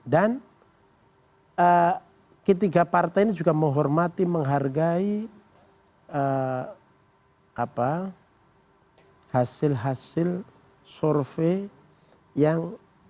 dan ketiga partai ini juga menghormati menghargai hasil hasil survei yang